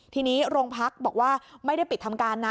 ทีนี้โรงพักบอกว่าไม่ได้ปิดทำการนะ